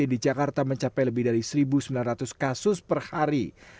di jakarta mencapai lebih dari satu sembilan ratus kasus per hari